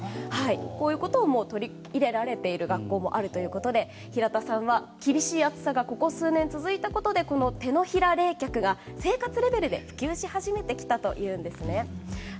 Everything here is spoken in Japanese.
こういうことを取り入れている学校もあるということで平田さんは、厳しい暑さがここ数年続いたことでこの手のひら冷却が生活レベルで普及し始めてきたといいます。